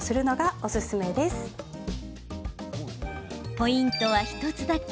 ポイントは１つだけ。